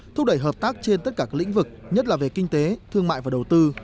thúc đẩy hợp tác trên tất cả các lĩnh vực nhất là về kinh tế thương mại và đầu tư